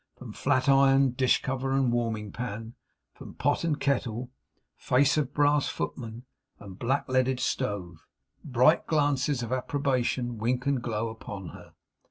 From flat iron, dish cover, and warming pan; from pot and kettle, face of brass footman, and black leaded stove; bright glances of approbation wink and glow upon her.